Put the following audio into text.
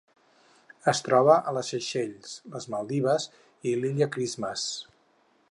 Es troba a les Seychelles, les Maldives i l'Illa Christmas.